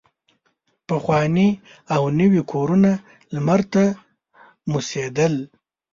پخواني او نوي کورونه لمر ته موسېدل.